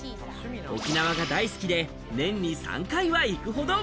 沖縄が大好きで年に３回は行くほど。